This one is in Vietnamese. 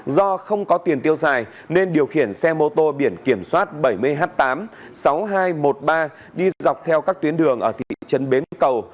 do không có tiền tiêu xài nên điều khiển xe mô tô biển kiểm soát bảy mươi h tám sáu nghìn hai trăm một mươi ba đi dọc theo các tuyến đường ở thị trấn bến cầu